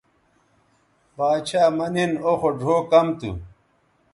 باڇھا مہ نِن او خو ڙھؤ کم تھو